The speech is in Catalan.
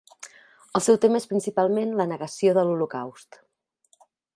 El seu tema és principalment la negació de l'Holocaust.